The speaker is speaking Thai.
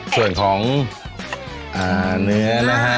ส่วนของเนื้อนะฮะ